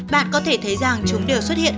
bạn có thể thấy rằng chúng đều xuất hiện